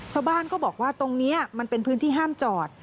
ชาวบ้านก็บอกว่าตรงนี้มันเป็นพื้นที่ห้ามจอด